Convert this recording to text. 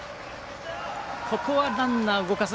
ここはランナー動かず。